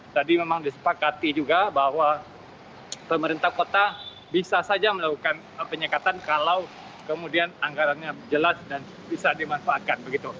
tadi memang disepakati juga bahwa pemerintah kota bisa saja melakukan penyekatan kalau kemudian anggarannya jelas dan bisa dimanfaatkan